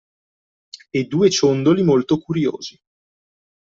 E due ciondoli molto curiosi